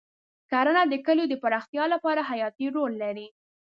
کرنه د کلیو د پراختیا لپاره حیاتي رول لري.